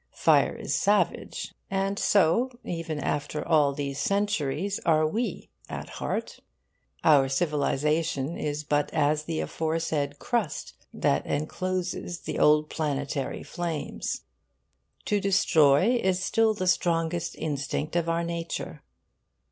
Fire is savage, and so, even after all these centuries, are we, at heart. Our civilisation is but as the aforesaid crust that encloses the old planetary flames. To destroy is still the strongest instinct of our nature.